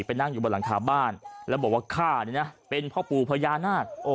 นั่งอยู่บนหลังคาบ้านแล้วบอกว่าข้านี่นะเป็นพ่อปู่พญานาค